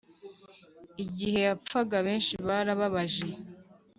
igihe t yapfaga benshi byarababaje